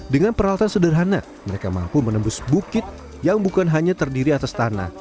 dengan peralatan sederhana mereka mampu menembus bukit yang bukan hanya terdiri atas tanah